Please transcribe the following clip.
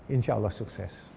insya allah sukses